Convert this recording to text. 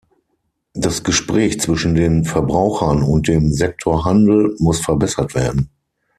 Das Gespräch zwischen den Verbrauchern und dem Sektor Handel muss verbessert werden.